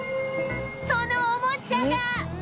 そのおもちゃが